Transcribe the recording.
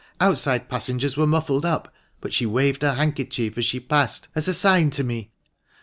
Outside passengers were muffled up, but she waved her handkerchief as she passed, as a sign to me."